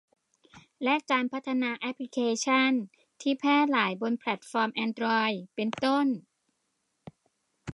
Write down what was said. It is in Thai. และการพัฒนาแอพลิเคชั่นที่แพร่หลายบนแพลทฟอร์มแอนดรอยด์ เป็นต้น